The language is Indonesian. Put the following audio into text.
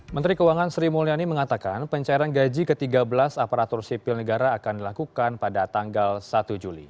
menteri keuangan sri mulyani mengatakan pencairan gaji ke tiga belas aparatur sipil negara akan dilakukan pada tanggal satu juli